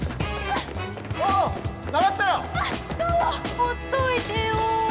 ほっといてよ